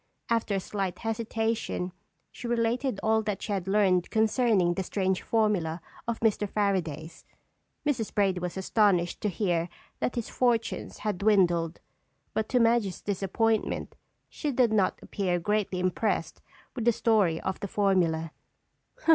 After a slight hesitation, she related all that she had learned concerning the strange formula of Mr. Fairaday's. Mrs. Brady was astonished to hear that his fortunes had dwindled, but to Madge's disappointment she did not appear greatly impressed with the story of the formula.